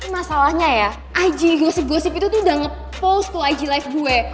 masalahnya ya ig gossip gossip itu udah ngepost ke ig live gue